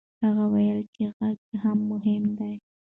هغه وویل چې غږ مهم دی.